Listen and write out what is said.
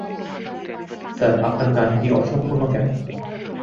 Sir, আপনার গানটি অসম্পূর্ণ কেন?